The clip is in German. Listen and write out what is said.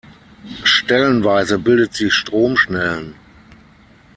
Stellenweise bildet sie Stromschnellen.